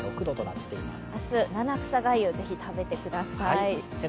明日、七草がゆ、ぜひ食べてください。